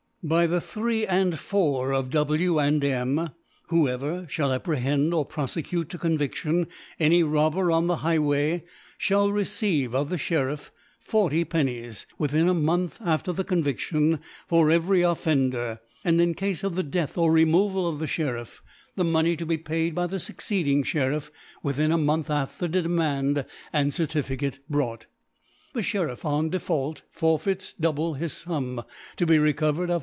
By the 3 and 4 of * /F. and M. whoever fhall apprehend and profecute to Convidtion any Robber on the Highway, (hall receive of the Sheriff 40 /. within a MonA after the Conviftion for every Offender iVand in cafe of the Death or Removal of the" Sheriff, the Money to be paid by the fucceeding ShcriflP within a Month after tht Demand and C«rti* ficate brought. The Sheriff on Default for feits double the Sum, to be recovered of